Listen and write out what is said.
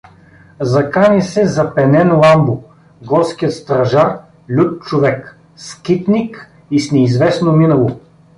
Закани се запенен Ламбо, горският стражар, лют човек, скитник и с неизвестно минало.